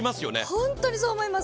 本当にそう思います。